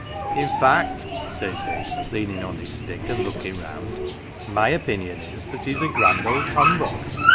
'In fact," 1 says he, leanin' on his stick, an 1 looking round, ' my opinion is that he is a grand old Humbug.'